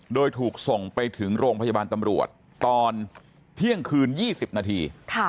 โดยถูกส่งไปถึงโรงพยาบาลตำรวจตอนเที่ยงคืน๒๐นาที